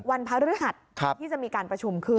วันพระฤหัสที่จะมีการประชุมคือ